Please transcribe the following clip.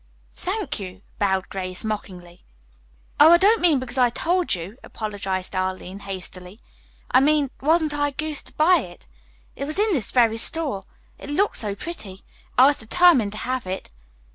"Thank you," bowed Grace mockingly. "Oh, I don't mean because I told you," apologized Arline hastily. "I mean, wasn't I a goose to buy it? It was in this very store. It looked so pretty. I was determined to have it.